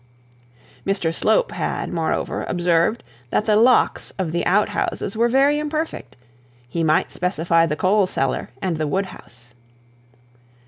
Mr Slope had, moreover, observed that the locks of the out houses were very imperfect: he might specify the coal cellar, and the wood house.